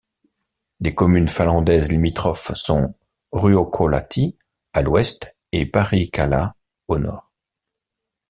Les communes finlandaises limitrophes sont Ruokolahti à l'ouest et Parikkala au nord.